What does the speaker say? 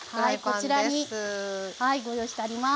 はいこちらにはいご用意してあります。